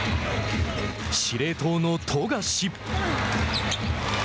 司令塔の富樫。